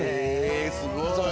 へえすごい。